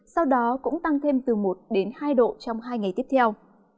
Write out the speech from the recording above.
sau đó cũng tăng thêm từ một đến hai độ trong hai ngày tiếp theo